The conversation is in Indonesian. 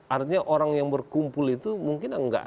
artinya orang yang berkumpul itu mungkin enggak